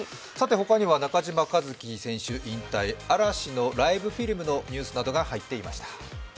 他には中嶋一貴選手引退、嵐のライブフィルムのニュースなどが入っていました。